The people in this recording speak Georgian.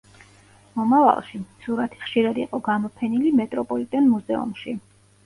მომავალში, სურათი ხშირად იყო გამოფენილი მეტროპოლიტენ მუზეუმში.